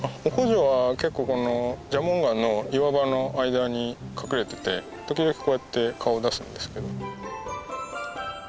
オコジョは結構この蛇紋岩の岩場の間に隠れてて時々こうやって顔出すんですけど。